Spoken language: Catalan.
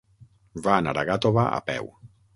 Va anar a Gàtova a peu.